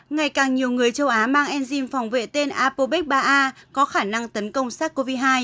ngày càng nhiều người châu á mang enzym phòng vệ tên apopec ba a có khả năng tấn công sars cov hai